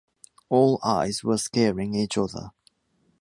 All eyes were scaring each other.